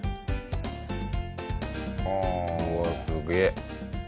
うわっすげえ！